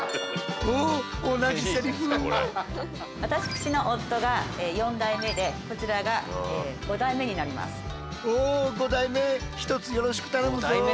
私の夫が４代目でこちらが５代目になります。